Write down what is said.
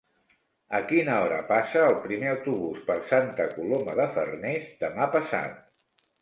A quina hora passa el primer autobús per Santa Coloma de Farners demà passat?